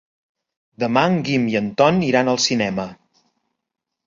Demà en Guim i en Tom iran al cinema.